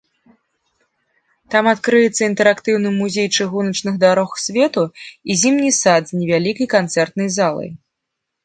Там адкрыецца інтэрактыўны музей чыгуначных дарог свету і зімні сад з невялікай канцэртнай залай.